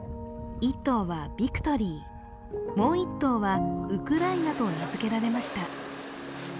一頭はヴィクトリーもう一頭はウクライナと名付けられました。